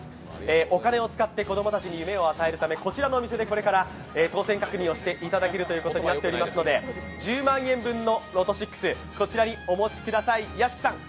お金を使って子供たちに夢を与えるため、こちらのお店でこれから当選確認をしていただけることになっておりますので、１０万円分のロト６、こちらにお持ちください。